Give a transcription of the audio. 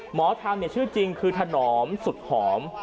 หมอธรรมชื่อจริงคือถนอมสุสฝอม